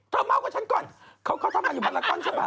เธอเม้ากว่าฉันก่อนเขาทำงานอยู่พันละก้อนใช่ไหม